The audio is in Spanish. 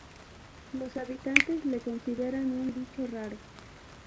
Los habitantes le consideran un bicho raro.